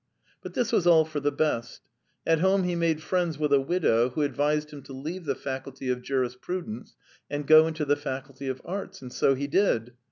But this was all for the best. At home he made friends with a widow who advised him to leave the Faculty of Jurisprudence and go into the Faculty of Arts. And so he did.